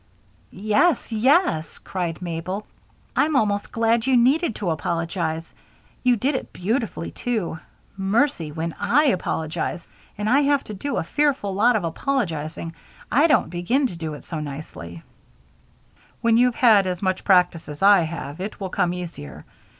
"Yes, yes!" cried Mabel. "I'm almost glad you needed to apologize. You did it beautifully, too. Mercy, when I apologize and I have to do a fearful lot of apologizing I don't begin to do it so nicely!" "Perhaps," offered Mr. Downing, "when you've had as much practice as I have, it will come easier.